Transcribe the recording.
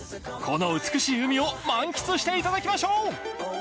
この美しい海を満喫していただきましょう